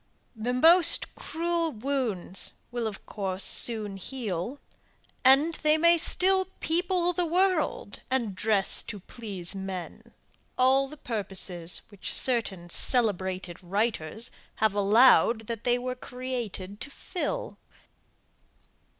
The most cruel wounds will of course soon heal, and they may still people the world, and dress to please man all the purposes which certain celebrated writers have allowed that they were created to fill.